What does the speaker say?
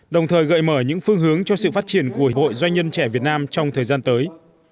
đồng thời gợi mở những phương hướng cho sự phát triển của hội doanh nhân trẻ việt nam trong thời gian tới